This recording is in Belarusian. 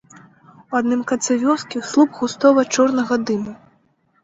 У адным канцы вёскі слуп густога чорнага дыму.